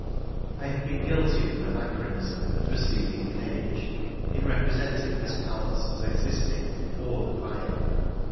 I have been guilty of an anachronism in the preceding page, in representing this palace as existing before the fire.